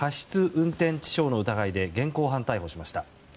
運転致傷の疑いで現行犯逮捕しました。